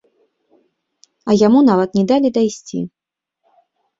А яму нават не далі дайсці.